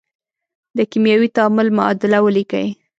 د کیمیاوي تعامل معادله ولیکئ.